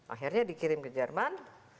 akhirnya dikirim ke jerman